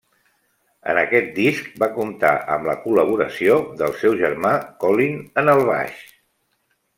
En aquest disc va comptar amb la col·laboració del seu germà Colin en el baix.